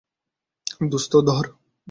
দোস্ত, ধর।